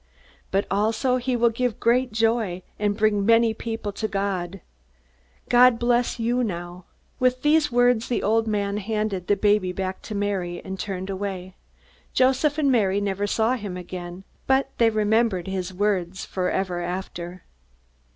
But also he will give joy, and bring many people to God. God bless you now." With these words the old man handed the baby back to Mary, and turned away. Joseph and Mary never saw him again, but they remembered his words forever after.